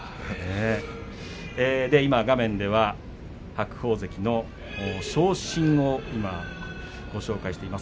画面では白鵬関の昇進をご紹介しています。